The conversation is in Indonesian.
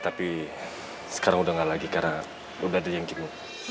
tapi sekarang udah nggak lagi karena udah ada yang bingung